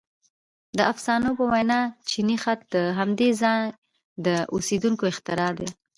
• د افسانو په وینا چیني خط د همدې ځای د اوسېدونکو اختراع دی.